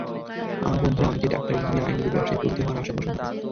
আমার বন্ধুরা অনেকেই ডাক্তার, ইঞ্জিনিয়ার, আইনবিদ, ব্যবসায়ী প্রভৃতি হওয়ার আশা পোষণ করে।